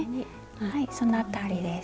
はいその辺りです。